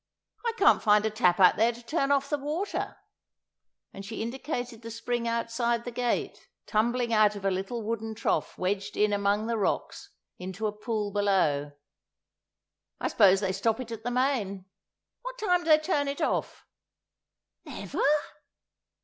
"I can't find a tap out there to turn off the water," and she indicated the spring outside the gate, tumbling out of a little wooden trough wedged in among the rocks, into a pool below. "I suppose they stop it at the main. What time do they turn it off? ... _Never?